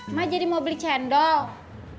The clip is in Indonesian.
emak jadi mau beli cendol